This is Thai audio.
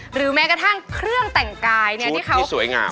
หรือแม้กระทั่งเครื่องแต่งกายที่เขาสวยงาม